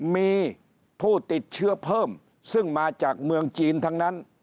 มีผู้ติดเชื้อเพิ่มซึ่งมาจากเมืองจีนทั้งนั้น